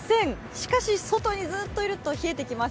しかし、外にずっといると冷えてきます。